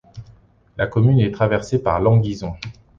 La commune est traversée par l'Anguison.